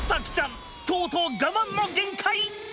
とうとう我慢の限界！